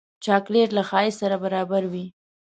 چاکلېټ له ښایست سره برابر وي.